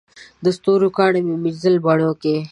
د ستورو کاڼي مې مینځل بڼوکي